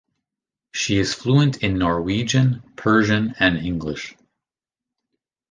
She is fluent in Norwegian, Persian and English.